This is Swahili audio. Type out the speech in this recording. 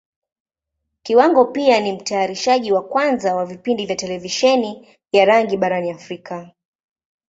Kiwango pia ni Mtayarishaji wa kwanza wa vipindi vya Televisheni ya rangi barani Africa.